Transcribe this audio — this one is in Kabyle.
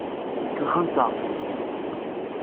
Kellxent-aɣ.